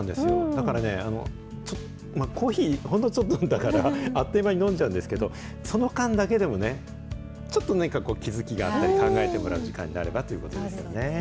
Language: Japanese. だからね、コーヒー、ほんのちょっと飲んだから、あっという間に飲んじゃうんですけど、その間だけでもね、ちょっとなんかこう、気づきがあったり、考えてもらう時間になればということですよね。